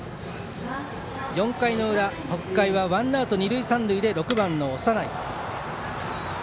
４回裏、北海はワンアウト、二塁三塁で６番の長内。